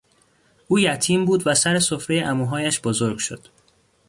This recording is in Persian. او یتیم بود و سر سفرهی عموهایش بزرگ شد.